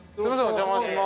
お邪魔します。